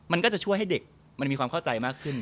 มันก็จะช่วยให้เด็กมันมีความเข้าใจมากขึ้น